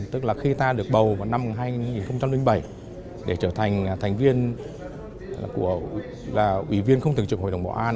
tức là khi ta được bầu vào năm hai nghìn bảy để trở thành thành viên là ủy viên không thường trực hội đồng bảo an